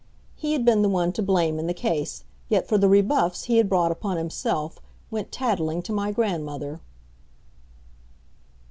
He had been the one to blame in the case, yet for the rebuffs he had brought upon himself, went tattling to my grandmother.